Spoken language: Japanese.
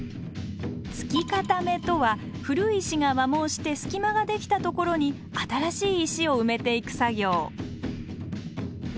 「つき固め」とは古い石が摩耗して隙間ができたところに新しい石を埋めていく作業